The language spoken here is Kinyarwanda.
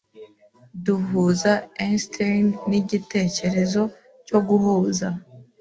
Duhuza Einstein nigitekerezo cyo guhuza.